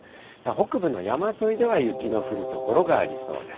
北部の山沿いでは、雪の降る所がありそうです。